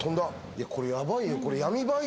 いやこれヤバいよ。